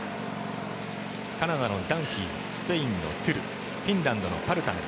カナダのダンフィースペインのトゥルフィンランドのパルタネン